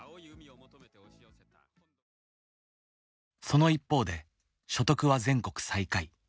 その一方で所得は全国最下位。